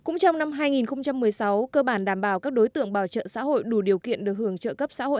cũng trong năm hai nghìn một mươi sáu cơ bản đảm bảo các đối tượng bảo trợ xã hội đủ điều kiện được hưởng trợ cấp xã hội